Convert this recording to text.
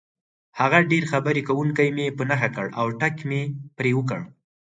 هغه ډېر خبرې کوونکی مې په نښه کړ او ټک مې پرې وکړ.